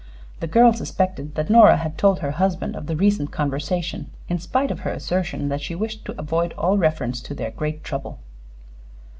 The girl suspected that Nora had told her husband of the recent conversation, in spite of her assertion that she wished to avoid all reference to their great trouble.